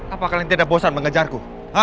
apa kalian tidak bosan mengejarku